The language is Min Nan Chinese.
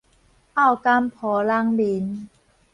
漚柑鋪籠面